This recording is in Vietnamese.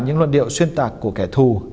những luân điệu xuyên tạc của kẻ thù